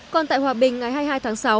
còn tại hòa bình ngày hai mươi hai tháng sáu